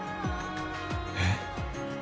えっ？